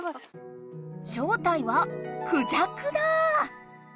正体はクジャクだ！